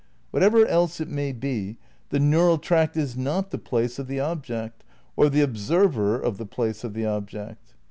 What ever else it may be, the neural tract is not the place of the object, or the observer of the place of the object.